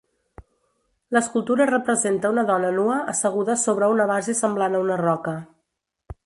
L'escultura representa una dona nua asseguda sobre una base semblant a una roca.